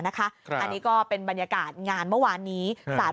อันนี้ก็เป็นบรรยากาศงานเมื่อวานนี้